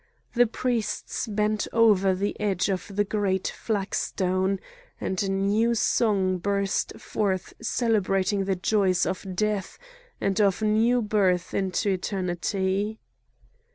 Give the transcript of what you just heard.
The priests bent over the edge of the great flagstone,—and a new song burst forth celebrating the joys of death and of new birth into eternity.